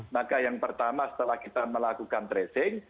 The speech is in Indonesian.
maka yang pertama setelah kita melakukan tracing